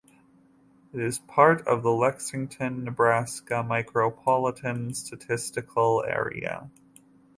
It is part of the Lexington, Nebraska Micropolitan Statistical Area.